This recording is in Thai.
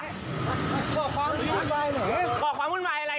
เกาะความวุ่นวายอะไร